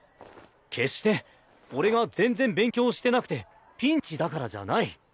決して俺が全然勉強してなくてピンチだからじゃない。